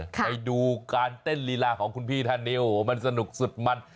ไปดูการเต้นลีลาของคุณพี่ท่านนี้โอ้โหมันสนุกสุดมัน